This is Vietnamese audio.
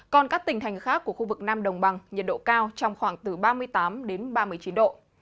còn các tỉnh thành khác của khu vực nam đồng bằng nhiệt độ cao trong khoảng từ ba mươi tám đến ba mươi chín độ